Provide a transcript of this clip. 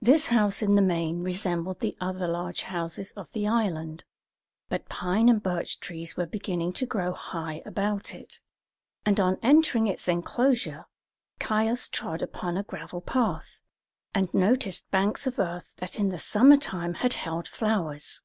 This house in the main resembled the other larger houses of the island; but pine and birch trees were beginning to grow high about it, and on entering its enclosure Caius trod upon a gravel path, and noticed banks of earth that in the summer time had held flowers.